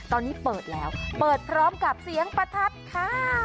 ตอนนี้เปิดแล้วเปิดพร้อมกับเสียงประทัดค่ะ